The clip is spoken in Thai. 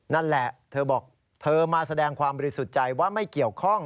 นั่นแหละเธอบอกเธอมาแสดงความบริสุทธิ์ใจว่าไม่เกี่ยวข้อง